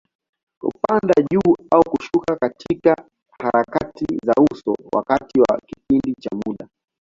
Kupanda juu au kushuka katika harakati za soko, wakati wa kipindi cha muda.